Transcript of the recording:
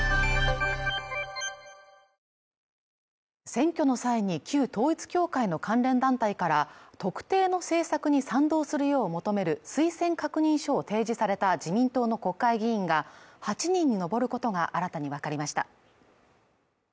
選挙の際に旧統一教会の関連団体から特定の政策に賛同するよう求める推薦確認書を提示された自民党の国会議員が８人に上ることが新たに分かりました